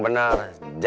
brand asura rupanya